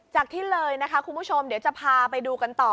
ที่เลยนะคะคุณผู้ชมเดี๋ยวจะพาไปดูกันต่อ